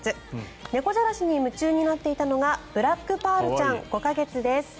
猫じゃらしに夢中になっていたのがブラックパールちゃん５か月です。